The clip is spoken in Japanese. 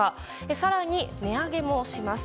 更に、値上げもします。